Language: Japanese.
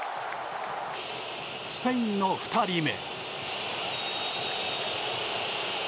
スペインの２人目。